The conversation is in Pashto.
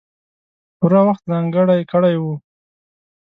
پوره وخت ځانګړی کړی وو.